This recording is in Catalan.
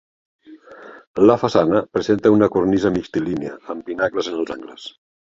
La façana presenta una cornisa mixtilínia amb pinacles en els angles.